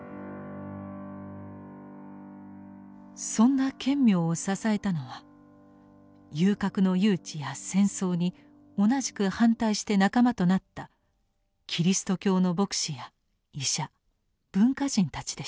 そんな顕明を支えたのは遊郭の誘致や戦争に同じく反対して仲間となったキリスト教の牧師や医者文化人たちでした。